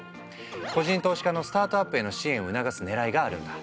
個人投資家のスタートアップへの支援を促すねらいがあるんだ。